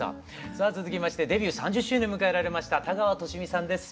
さあ続きましてデビュー３０周年迎えられました田川寿美さんです。